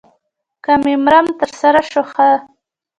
که مې مرام تر سره شو خو ښه.